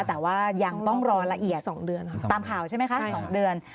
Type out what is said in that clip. แต่ว่ายังต้องรอละเอียด๒เดือนตามข่าวใช่ไหมคะ๑๒เดือน